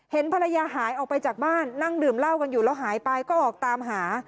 ภรรยาหายออกไปจากบ้านนั่งดื่มเหล้ากันอยู่แล้วหายไปก็ออกตามหา